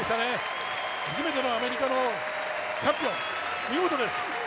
初めてのアメリカのチャンピオン、見事です。